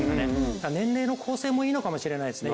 年齢の構成もいいのかもしれないですね。